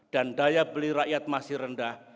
dan daya beli rakyat masih rendah